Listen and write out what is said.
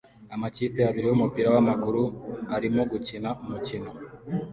Amakipe abiri yumupira wamaguru arimo gukina umukino